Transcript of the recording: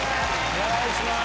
お願いします。